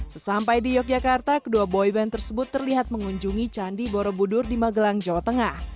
sesampai di yogyakarta kedua boyband tersebut terlihat mengunjungi candi borobudur di magelang jawa tengah